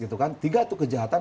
tiga itu kejahatan